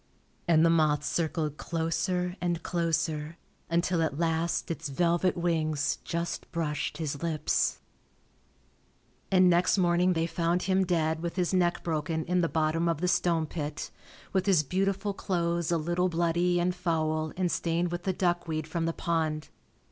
And the moth circled closer and closer until at last its velvet wings just brushed his lips ..... And next morning they found him dead with his neck broken in the bottom of the stone pit, with his beautiful clothes a little bloody and foul and stained with the duckweed from the pond.